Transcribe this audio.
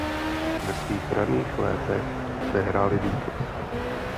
Ve svých raných létech zde hráli Beatles.